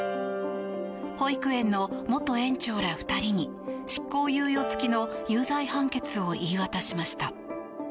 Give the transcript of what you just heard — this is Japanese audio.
保育園の元園長ら２人に執行猶予付きの有罪判決を言い渡しました。